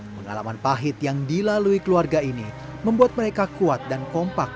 pengalaman pahit yang dilalui keluarga ini membuat mereka kuat dan kompak